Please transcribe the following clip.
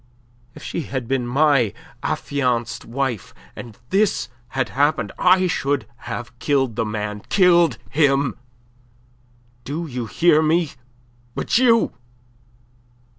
if she had been my affianced wife and this had happened, I should have killed the man killed him! Do you hear me? But you...